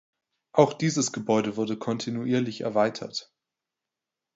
Auch dieses Gebäude wurde kontinuierlich erweitert.